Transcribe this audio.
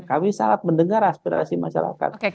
kami sangat mendengar aspirasi masyarakat